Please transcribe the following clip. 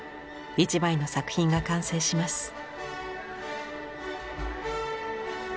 一枚の作品が完成します。